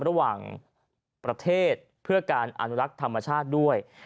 ระหว่างประเทศเพื่อการอนุรักษ์ธรรมชาติด้วย